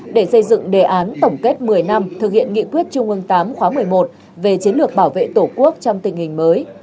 để xây dựng đề án tổng kết một mươi năm thực hiện nghị quyết trung ương viii khóa một mươi một về chiến lược bảo vệ tổ quốc trong tình hình mới